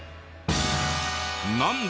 なんだ？